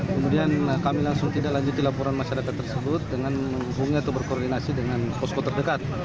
kemudian kami langsung tidak lanjuti laporan masyarakat tersebut dengan menghubungi atau berkoordinasi dengan posko terdekat